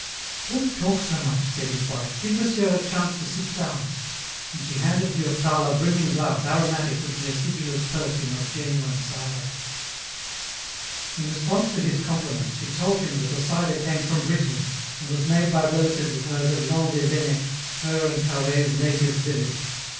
"Don't talk so much!" said his wife. "Give monsieur a chance to sit down," and she handed Durtal a brimming glass aromatic with the acidulous perfume of genuine cider. In response to his compliments she told him that the cider came from Brittany and was made by relatives of hers at Landévennec, her and Carhaix's native village.